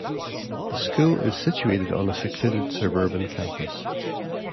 The school is situated on a secluded suburban campus.